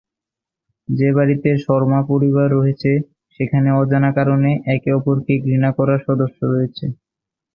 যে বাড়িতে শর্মা পরিবার রয়েছে, সেখানে অজানা কারণে একে অপরকে ঘৃণা করার সদস্য রয়েছে।